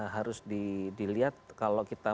harus dilihat kalau kita